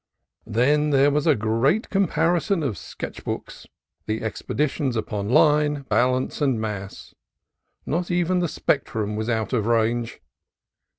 Then was there great comparison of sketch books, and expositions upon line, balance, and mass: not even the spectrum was out of range.